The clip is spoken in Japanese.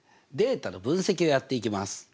データの分析をやっていきます。